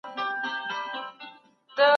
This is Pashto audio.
پوهانو پر دې تعريف نيوکي ونه کړې.